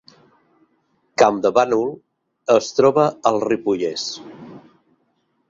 Campdevànol es troba al Ripollès